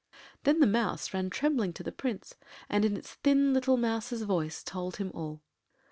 Then the Mouse ran trembling to the Prince, and in its thin little mouse’s voice told him all.